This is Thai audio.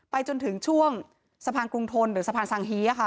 จนถึงช่วงสะพานกรุงทนหรือสะพานสังฮีค่ะ